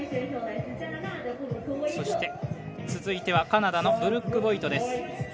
そして、続いてはカナダのブルック・ボイトです。